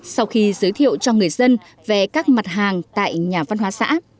sau khi giới thiệu cho người dân về các mặt hàng tại nhà văn hóa xã